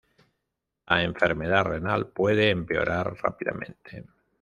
La enfermedad renal puede empeorar rápidamente.